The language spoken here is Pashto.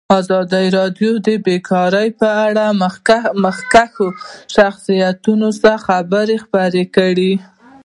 ازادي راډیو د بیکاري په اړه د مخکښو شخصیتونو خبرې خپرې کړي.